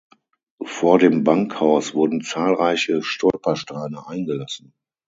Vor dem Bankhaus wurden zahlreiche Stolpersteine eingelassen.